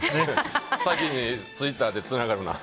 先にツイッターでつながるな。